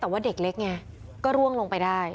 แต่ว่าเด็กเล็กไงก็ร่วงลงไปได้